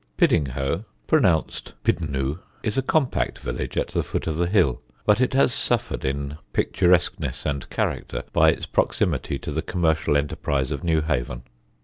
Piddinghoe (pronounced Pidd'nhoo) is a compact village at the foot of the hill; but it has suffered in picturesqueness and character by its proximity to the commercial enterprise of Newhaven.